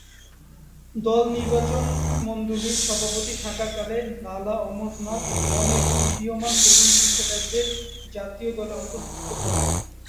দল নির্বাচকমণ্ডলীর সভাপতি থাকাকালে লালা অমরনাথ অনেক উদীয়মান তরুণ ক্রিকেটারদের জাতীয় দলে অন্তর্ভুক্ত করেন।